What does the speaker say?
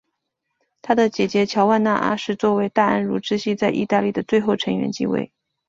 他的姐姐乔万娜二世作为大安茹支系在意大利的最后成员继位。